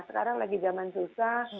sekarang lagi zaman susah